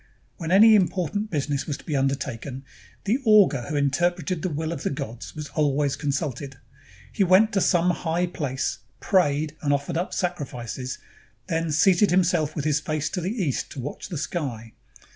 When any important business was to be 328 THE ROMANS OF THE EARLY REPUBLIC undertaken, the "augur," who interpreted the will of the gods, was always consulted. He went to some high place, prayed, and offered up sacrifices, then seated himself with his face to the east to watch the sky.